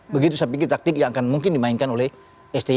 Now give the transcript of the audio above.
begitu saya pikir taktik yang akan mungkin dimainkan oleh sti